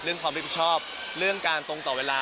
ความรับผิดชอบเรื่องการตรงต่อเวลา